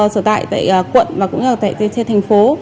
sở tại tại quận và cũng như ở trên thành phố